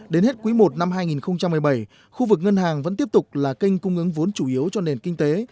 đến hết quý i năm hai nghìn một mươi bảy khu vực ngân hàng vẫn tiếp tục là kênh cung ứng vốn chủ yếu cho nền kinh tế